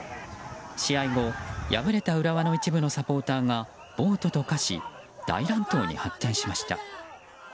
試合後、敗れた浦和の一部のサポーターが暴徒と化し大乱闘に発展しました。